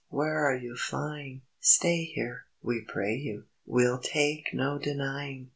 Where are you flying? Stay here, we pray you, We'll take no denying.